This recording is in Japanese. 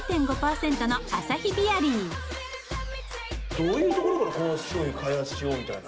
どういうところからこの商品開発しようみたいな？